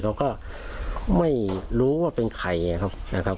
เราก็ไม่รู้ว่าเป็นใครนะครับ